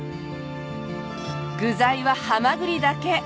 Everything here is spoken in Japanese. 具材はハマグリだけ。